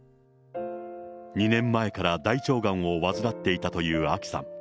２年前から大腸がんを患っていたというあきさん。